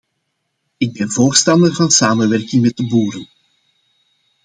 Ik ben voorstander van samenwerking met de boeren.